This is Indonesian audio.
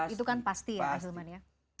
itu kan pasti ya ailman ya